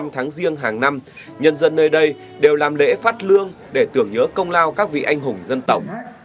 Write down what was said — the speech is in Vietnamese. tháng riêng hàng năm nhân dân nơi đây đều làm lễ phát lương để tưởng nhớ công lao các vị anh hùng dân tổng